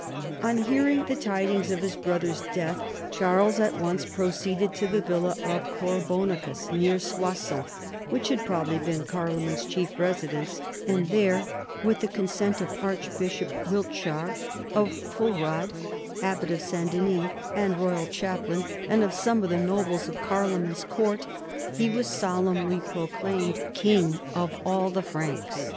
On hearing the tidings of his brother's death, Charles at once proceeded to the villa of Corbonacus near Soissons which had probably been Carloman's chief residence, and there, with the consent of Archbishop Wiltchar, of Fulrad, Abbot of St. Denis and ro3'^al chaplain, and of some of the nobles of Carloman's court, he was solemnly proclaimed King of all the Franks.